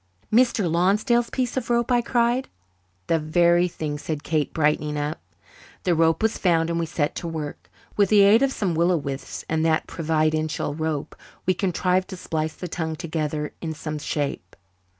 "Mr. Lonsdale's piece of rope!" I cried. "The very thing," said Kate, brightening up. The rope was found and we set to work. With the aid of some willow withes and that providential rope we contrived to splice the tongue together in some shape.